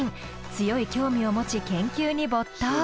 強い興味を持ち研究に没頭。